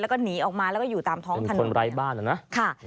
แล้วก็หนีออกมาแล้วก็อยู่ตามท้องถนนเนี่ยค่ะเป็นคนไร้บ้านเหรอนะ